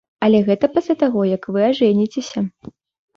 Але гэта пасля таго, як вы ажэніцеся.